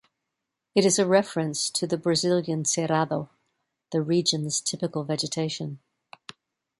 It is a reference to the Brazilian Cerrado, the region's typical vegetation.